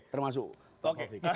termasuk pak taufik